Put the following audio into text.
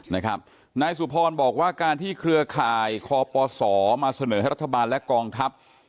นายสุพรบอกว่าการที่เครือข่ายคปศมาเสนอให้รัฐบาลและกองทัพ